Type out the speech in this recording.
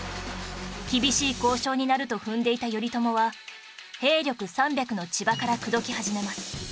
厳しい交渉になると踏んでいた頼朝は兵力３００の千葉から口説き始めます